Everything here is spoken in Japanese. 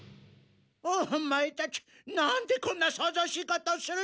オマエたちなんでこんなそうぞうしいことをするんじゃ。